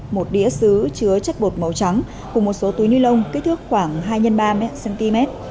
một đĩa xứ chứa chất bột màu trắng cùng một số túi ni lông kích thước khoảng hai x ba mươi cm